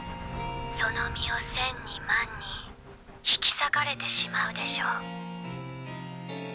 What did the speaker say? その身を千に万に引き裂かれてしまうでしょう